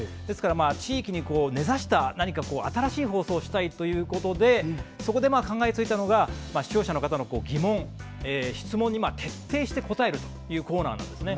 地域に根ざした何か新しい放送をしたいと考えてそこで考え付いたのが視聴者の疑問、質問に徹底して答えるというコーナーでした。